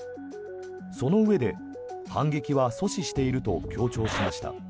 そのうえで、反撃は阻止していると強調しました。